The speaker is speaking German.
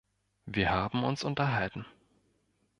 Wir haben uns unterhalten.